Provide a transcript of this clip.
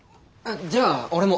じゃあ俺も。